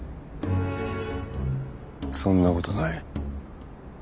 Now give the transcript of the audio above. そんなことない。